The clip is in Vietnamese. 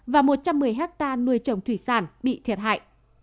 và một trăm một mươi hectare nuôi trồng thủy sản bị thiệt hại